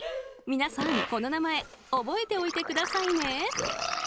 皆さん、この名前覚えておいてくださいね。